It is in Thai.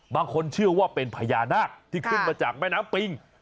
บางคนเชื่อว่าเป็นพญานาคที่ขึ้นมาจากแม่น้ำปิง